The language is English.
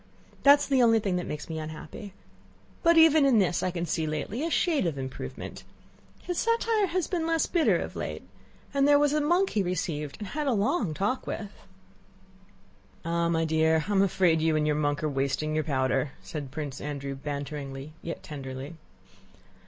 That is the only thing that makes me unhappy. But even in this I can see lately a shade of improvement. His satire has been less bitter of late, and there was a monk he received and had a long talk with." "Ah! my dear, I am afraid you and your monk are wasting your powder," said Prince Andrew banteringly yet tenderly.